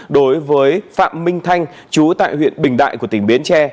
đối với phạm minh thanh chú tại huyện bình đại của tỉnh bến tre